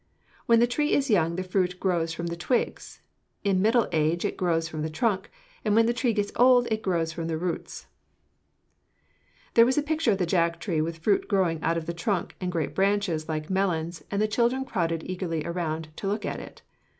When the tree is young, the fruit grows from the twigs; in middle age it grows from the trunk; and when the tree gets old, it grows from the roots." [Illustration: JACK FRUIT TREE.] There was a picture of the jack tree with fruit growing out of the trunk and great branches like melons, and the children crowded eagerly around to look at it.